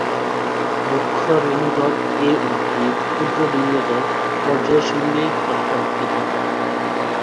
মুখ্য রেণুধর এ উদ্ভিদ ক্ষুদ্র লিঙ্গধর পর্যায়ের সঙ্গে প্রত্যাবৃত হয়।